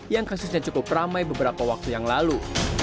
yang kasusnya cukup ramai beberapa waktu yang lalu